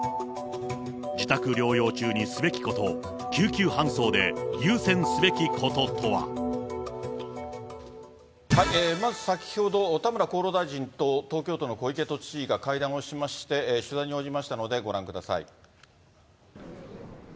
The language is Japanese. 自宅療養中にすべきこと、まず先ほど、田村厚労大臣と東京都の小池都知事が会談をしまして、取材に応じましたので、ご覧ください。